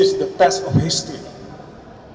ini adalah ujian sejarah